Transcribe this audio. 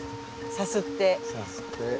さすって。